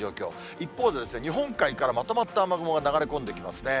一方でですね、日本海からまとまった雨雲が流れ込んできますね。